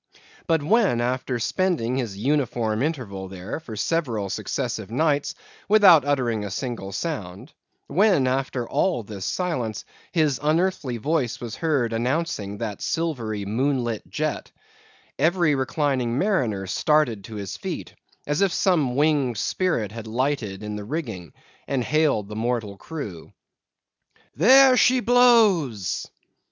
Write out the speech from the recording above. But when, after spending his uniform interval there for several successive nights without uttering a single sound; when, after all this silence, his unearthly voice was heard announcing that silvery, moon lit jet, every reclining mariner started to his feet as if some winged spirit had lighted in the rigging, and hailed the mortal crew. "There she blows!"